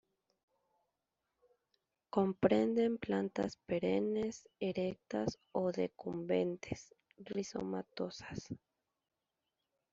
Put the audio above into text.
Comprende plantas perennes, erectas o decumbentes, rizomatosas.